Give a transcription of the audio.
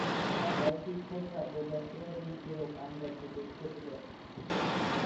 কয়েকটি ছত্রাক ও ব্যাকটেরিয়াজনিত রোগ আম গাছের বেশ ক্ষতি করে।